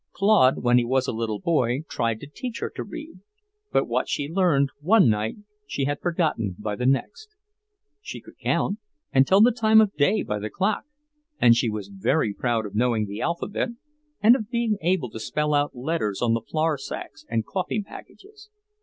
Claude, when he was a little boy, tried to teach her to read, but what she learned one night she had forgotten by the next. She could count, and tell the time of day by the clock, and she was very proud of knowing the alphabet and of being able to spell out letters on the flour sacks and coffee packages.